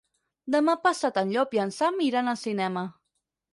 Demà passat en Llop i en Sam iran al cinema.